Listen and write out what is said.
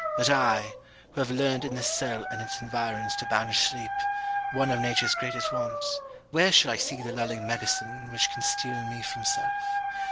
But I, who have learned in this cell and its invirons to banish sleep, one of nature's greatest wants, where shall I seek the lulling medicine which can steal me from self?